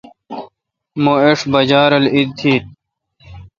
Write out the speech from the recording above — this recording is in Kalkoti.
مہ ایݭٹ بجا رل اُتہ۔